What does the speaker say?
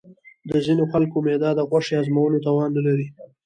د ځینې خلکو معده د غوښې هضمولو توان نه لري.